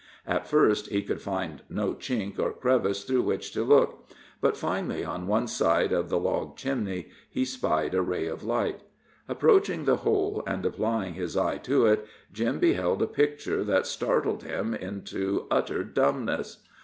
At first he could find no chink or crevice through which to look, but finally, on one side of the log chimney, he spied a ray of light. Approaching the hole and applying his eye to it, Jim beheld a picture that startled him into utter dumbness.